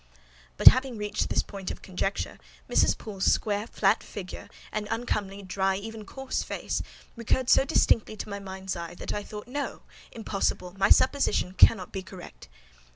But, having reached this point of conjecture, Mrs. Poole's square, flat figure, and uncomely, dry, even coarse face, recurred so distinctly to my mind's eye, that I thought, "No; impossible! my supposition cannot be correct.